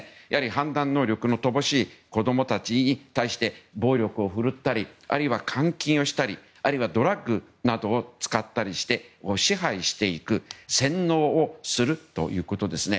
判断能力の乏しい子供たちに対して暴力を振るったりあるいは監禁したりあるいはドラッグなどを使ったりして支配していく洗脳をするということですね。